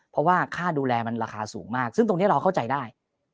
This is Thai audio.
เพราะว่าค่าดูแลมันราคาสูงมากซึ่งตรงนี้เราเข้าใจได้